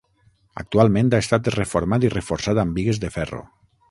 Actualment ha estat reformat i reforçat amb bigues de ferro.